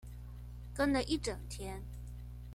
跟了一整天